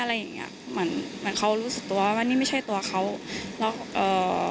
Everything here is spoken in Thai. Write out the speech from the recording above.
อะไรอย่างเงี้ยเหมือนเหมือนเขารู้สึกตัวว่านี่ไม่ใช่ตัวเขาแล้วเอ่อ